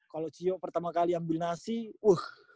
kalo cio pertama kali ambil nasi wuhh